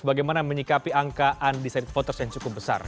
bagaimana menyikapi angka undecided voters yang cukup besar